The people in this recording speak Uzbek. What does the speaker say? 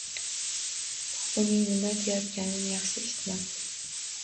Uning nima deyayotganini yaxshi eshitmasdim.